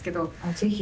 ぜひ。